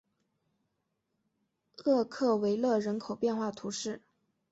厄克维勒人口变化图示